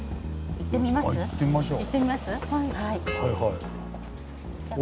行ってみましょう。